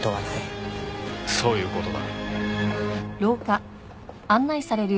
そういう事だ。